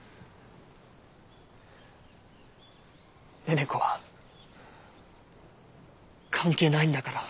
寧々子は関係ないんだから。